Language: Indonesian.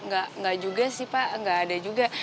gak gak juga sih pak gak ada juga